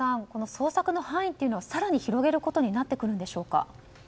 捜索の範囲というのを更に広げることになってくるんでしょうか。